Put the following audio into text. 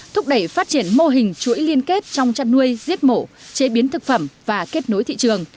thúc đẩy phát triển mô hình chuỗi liên kết trong chăn nuôi giết mổ chế biến thực phẩm và kết nối thị trường